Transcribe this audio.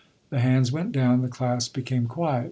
The hands went down and the class became quiet.